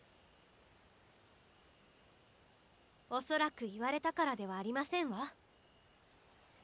恐らく言われたからではありませんわ。